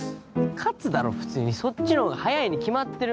勝つだろフツーにそっちの方が速いに決まってる。